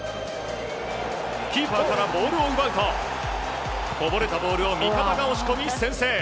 キーパーからボールを奪うとこぼれたボールを味方が押し込み先制。